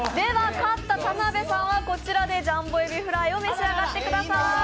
勝った田辺さんはこちらでジャンボ海老フライを召し上がってください。